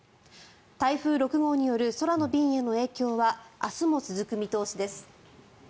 台風６号による空の便への影響は明日も続く見通しです。